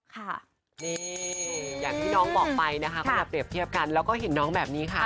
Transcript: ค่ะนี่อย่างที่น้องบอกไปนะคะก็อย่าเปรียบเทียบกันแล้วก็เห็นน้องแบบนี้ค่ะ